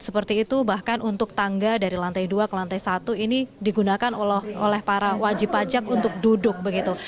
seperti itu bahkan untuk tangga dari lantai dua ke lantai satu ini digunakan oleh para wajib pajak untuk duduk begitu